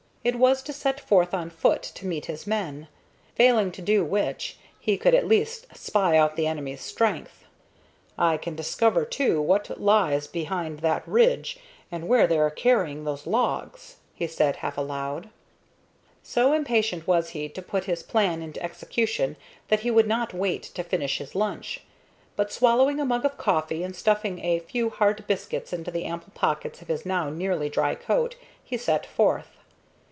It was to set forth on foot to meet his men, failing to do which he could at least spy out the enemy's strength. "I can discover, too, what lies behind that ridge, and where they are carrying those logs," he said, half aloud. [Illustration: THE MEN HASTILY THREW PEVERIL HEAD FIRST INTO THE BUSHES] So impatient was he to put this plan into execution that he would not wait to finish his lunch, but, swallowing a mug of coffee and stuffing a few hard biscuit into the ample pockets of his now nearly dry coat, he set forth.